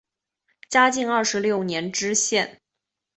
嘉靖二十六年知县。